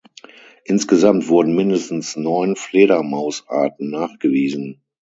Insgesamt wurden mindestens neun Fledermausarten nachgewiesen.